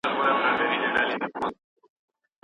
هغوی به په خپلو کارونو کي بريالي سي.